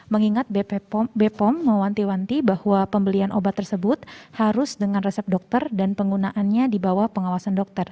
mengingat bepom mewanti wanti bahwa pembelian obat tersebut harus dengan resep dokter dan penggunaannya di bawah pengawasan dokter